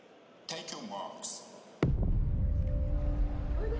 おいで！